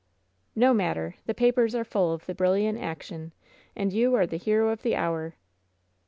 "No matter, the papers are full of the brilliant action, and vou are the hero of the hour."